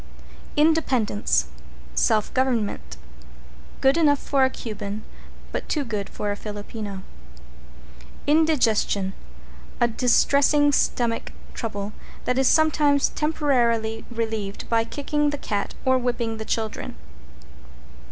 =INDEPENDENCE= Self government. Good enough for a Cuban, but too good for a Filipino. =INDIGESTION= A distressing stomach trouble that is sometimes temporarily relieved by kicking the cat or whipping the children.